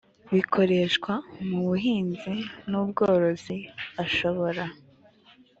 bikoreshwa mu buhinzi n ubworozi ashobora